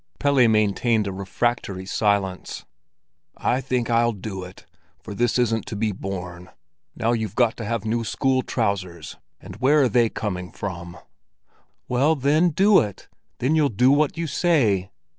Pelle maintained a refractory silence. "I think I'll do it, for this isn't to be borne. Now you've got to have new school trousers, and where are they coming from?" "Well, then, do it! Then you'll do what you say."